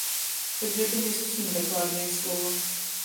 Хоць гэта не зусім дакладнае слова.